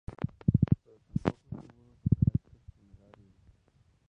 Pero tampoco es seguro su carácter funerario.